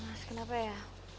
mas kenapa ya